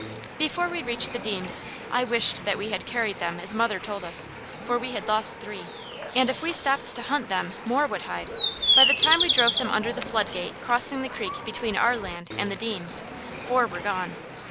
Before we reached the Deams' I wished that we had carried them as mother told us, for we had lost three, and if we stopped to hunt them, more would hide. By the time we drove them under the floodgate crossing the creek between our land and the Deams' four were gone.